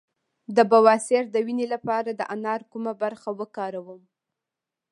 د بواسیر د وینې لپاره د انار کومه برخه وکاروم؟